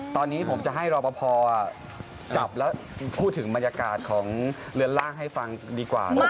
ตอนนี้ผมจะให้รอปภจับแล้วพูดถึงบรรยากาศของเรือนล่างให้ฟังดีกว่า